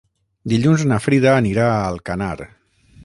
Dilluns na Frida anirà a Alcanar.